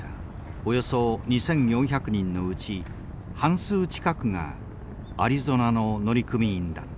およそ２，４００人のうち半数近くがアリゾナの乗組員だった。